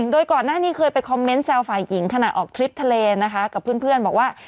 โดยก่อนหน้านี้เคยไปคอมเมนต์แซวฝ่ายหญิงขณะออกทริปทะเลนะคะกับเพื่อนบอกว่า